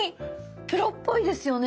プロっぽいですよね？